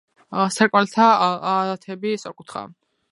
სარკმელთა ალათები სწორკუთხაა.